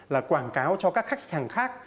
là quảng cáo cho các khách hàng khác